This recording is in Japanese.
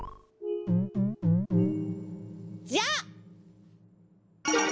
じゃあ！